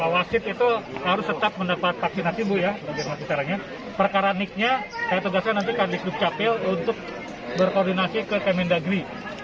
wasit itu harus tetap mendapat vaksinasi perkaraniknya saya tugaskan nanti kandikud kapil untuk berkoordinasi ke kementerian negeri